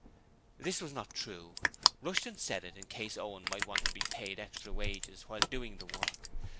This was not true: Rushton said it in case Owen might want to be paid extra wages while doing the work.